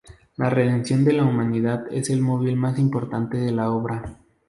La redención de la humanidad es el móvil más importante de la obra.